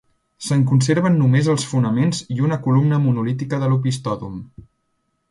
Se'n conserven només els fonaments i una columna monolítica de l'opistòdom.